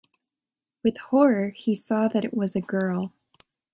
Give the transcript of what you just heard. With horror he saw that it was a girl.